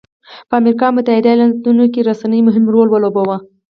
په امریکا متحده ایالتونو کې رسنیو مهم رول ولوباوه.